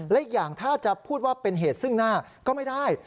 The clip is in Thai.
และอีกอย่างถ้าจะพูดว่าเป็นเหตุซึ่งหน้าก็ไม่ได้